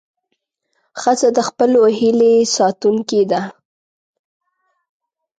ښځه د خپلو هیلې ساتونکې ده.